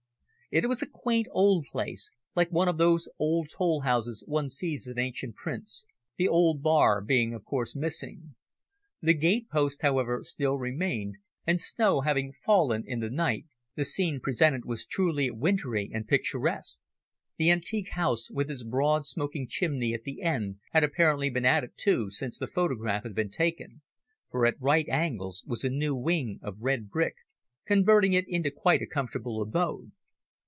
It was a quaint, old place, like one of those old toll houses one sees in ancient prints, the old bar being of course missing. The gate post, however, still remained, and snow having fallen in the night the scene presented was truly wintry and picturesque. The antique house with its broad, smoking chimney at the end had apparently been added to since the photograph had been taken, for at right angles was a new wing of red brick, converting it into quite a comfortable abode.